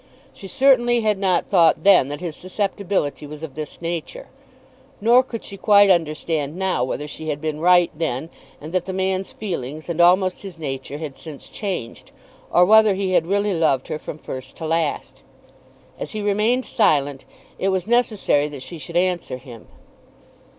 She certainly had not thought then that his susceptibility was of this nature. Nor could she quite understand now whether she had been right then, and that the man's feelings, and almost his nature, had since changed, or whether he had really loved her from first to last. As he remained silent it was necessary that she should answer him.